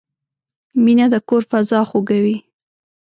مینه د کور فضا خوږوي.